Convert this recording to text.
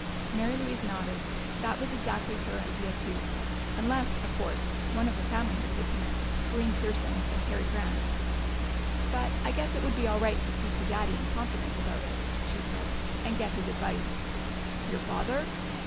Mary Louise nodded: that was exactly her idea too. Unless, of course, one of the family had taken it Corinne Pearson or Harry Grant. "But I guess it would be all right to speak to Daddy in confidence about it," she said, "and get his advice." "Your father?"